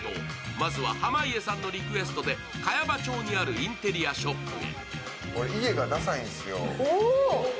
まずは濱家さんのリクエストで茅場町にあるインテリアショップへ。